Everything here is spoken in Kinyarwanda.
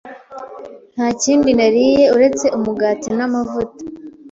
Nta kindi nariye uretse umugati n'amavuta.